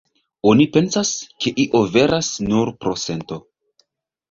Oni pensas, ke io veras, nur pro sento.